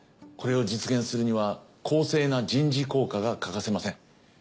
これを実現するには公正な人事考課が欠かせません。